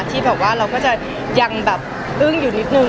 ที่แบบว่าเราก็จะยังแบบอึ้งอยู่นิดนึง